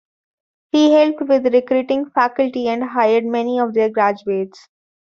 He helped with recruiting faculty and hired many of their graduates.